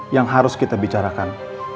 yang harus kita bicarakan